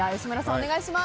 お願いします。